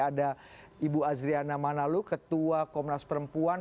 ada ibu azriana manalu ketua komnas perempuan